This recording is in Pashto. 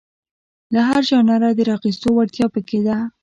له هر ژانره د راخیستو وړتیا په کې ده.